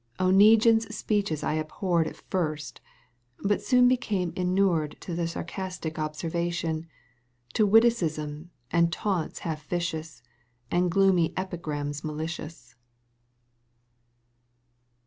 yj Oneguine's speeches I abhorred \ At first, but soon became inured To the sarcastic observation, To witticisms and taunts half vicious. And gloomy epigrams malicious.